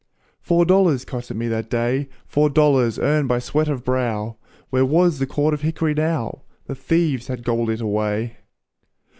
Four dollars cost me it that day, Four dollars earned by sweat of brow, Where was the cord of hick'ry now? The thieves had gobbled it away!